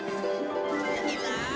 gak gak kena